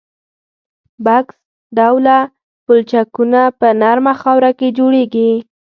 بکس ډوله پلچکونه په نرمه خاوره کې جوړیږي